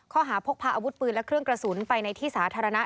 ข้อหาพกพาอาวุธปืนและเครื่องกระสุนไปในที่สาธารณะ